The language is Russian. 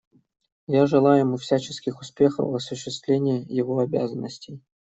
Я желаю ему всяческих успехов в осуществлении его обязанностей.